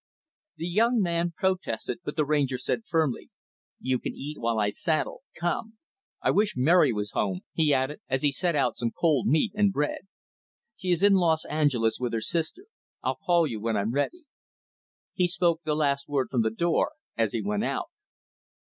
The young man protested but the Ranger said firmly, "You can eat while I saddle; come. I wish Mary was home," he added, as he set out some cold meat and bread. "She is in Los Angeles with her sister. I'll call you when I'm ready." He spoke the last word from the door as he went out.